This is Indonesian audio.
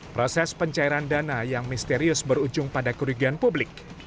proses pencairan dana yang misterius berujung pada kerugian publik